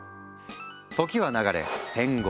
時は流れ戦後。